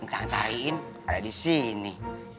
ncang cariin ada disini